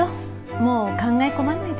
もう考え込まないで。